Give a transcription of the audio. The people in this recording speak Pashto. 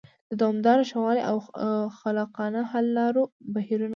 د دوامداره ښه والي او خلاقانه حل لارو بهیرونه